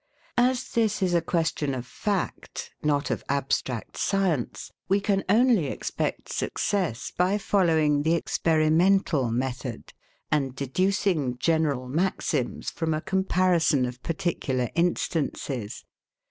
As this is a question of fact, not of abstract science, we can only expect success, by following the experimental method, and deducing general maxims from a comparison of particular instances.